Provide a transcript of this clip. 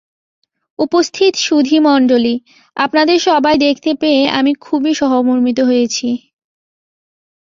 উপস্থিত সুধীমন্ডলী, আপনাদের সবাই দেখতে পেয়ে আমি খুবই সহমর্মিত হয়েছি।